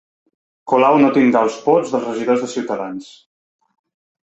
Colau no tindrà els vots dels regidors de Ciutadans